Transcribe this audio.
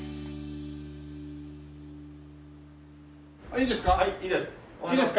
いいです。